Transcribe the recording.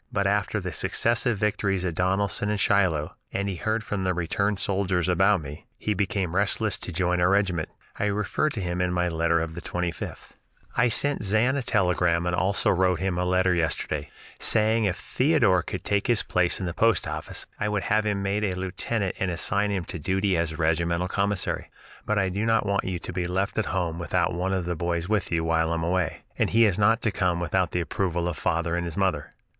But after the successive victories at Donelson and Shiloh, and he heard from the returned soldiers about me, he became restless to join our regiment. I refer to him in my letter of the 25th: "I sent Zan a telegram and also wrote him a letter yesterday, saying if Theodore could take his place in the post office, I would have him made a lieutenant and assign him to duty as regimental commissary. But I do not want you to be left at home without one of the boys with you, while I am away, and he is not to come without the approval of father and his mother.